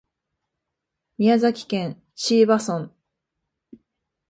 宮崎県椎葉村